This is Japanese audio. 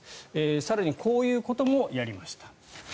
更にこういうこともやりました。